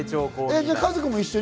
家族も一緒に？